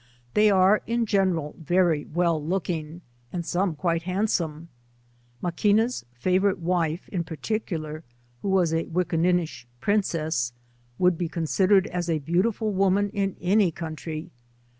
They are in general very well looking, and some quite handsome, Maquina's favourite wife in particular, who was a Wickinninish princess, would be considered as a beautiful woman in any country.